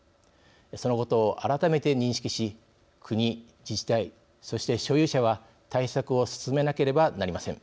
そのことを改めて認識し国、自治体、そして所有者は対策を進めなければなりません。